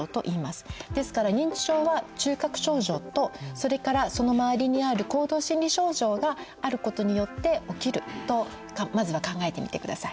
ですから認知症は中核症状とそれからその周りにある行動心理症状があることによって起きるとまずは考えてみてください。